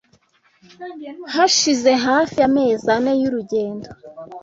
Hashize hafi amezi ane y’urugendo